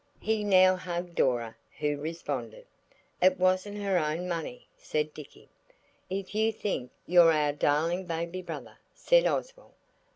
He now hugged Dora, who responded. "It wasn't her own money," said Dicky. "If you think you're our darling baby brother–" said Oswald.